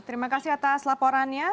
terima kasih atas laporannya